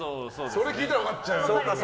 それ聞いたら分かっちゃうから。